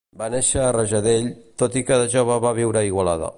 Va néixer a Rajadell, tot i que de jove va viure a Igualada.